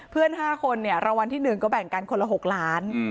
เพื่อน๕คนเนี่ยรางวัลที่๑ก็แบ่งกันคนละ๖ล้าน